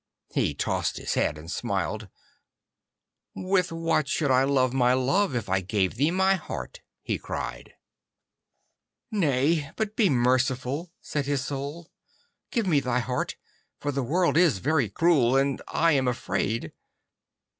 He tossed his head and smiled. 'With what should I love my love if I gave thee my heart?' he cried. 'Nay, but be merciful,' said his Soul: 'give me thy heart, for the world is very cruel, and I am afraid.